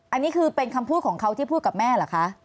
อันนี้คือเป็นคำพูดของเขาที่พูดกับแม่เหรอคะ